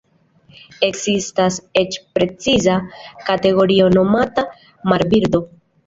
Ekzistas eĉ preciza kategorio nomata Marbirdo.